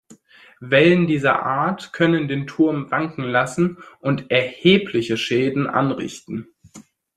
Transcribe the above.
Wellen dieser Art können den Turm wanken lassen und erhebliche Schäden anrichten.